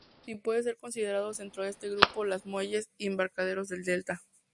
Si pueden ser considerados dentro de este grupo los muelles y embarcaderos del delta.